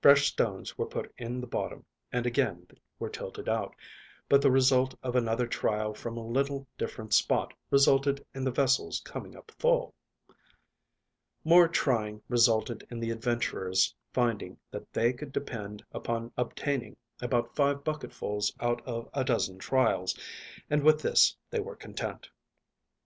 Fresh stones were put in the bottom, and again were tilted out, but the result of another trial from a little different spot resulted in the vessel's coming up full. More trying resulted in the adventurers finding that they could depend upon obtaining about five bucketfuls out of a dozen trials, and with this they were content.